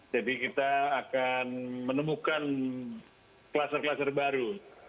jadi kita akan menemukan klaser klaser baru